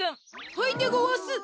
はいでごわす。